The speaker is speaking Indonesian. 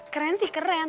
keren sih keren